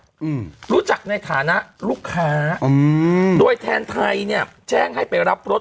อืมรู้จักในฐานะลูกค้าอืมโดยแทนไทยเนี้ยแจ้งให้ไปรับรถ